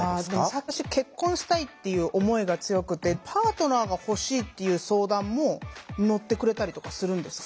私結婚したいっていう思いが強くてパートナーが欲しいっていう相談も乗ってくれたりとかするんですか？